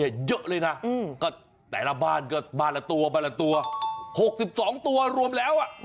วากันเยอะเลยนะแต่ละบ้านก็บ้านละตัว๖๒ตัวรวมแล้ว